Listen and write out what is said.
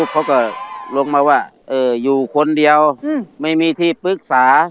เขาก็ลงมาว่าอยู่คนเดียวไม่มีที่ปรึกษา